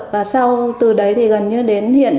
và sau từ đấy thì gần như đến hiện